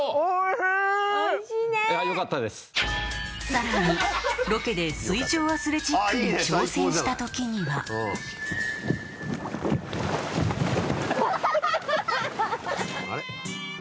さらにロケで水上アスレチックに挑戦したときには・ハハハ